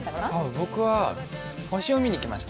僕は星を見に行きました。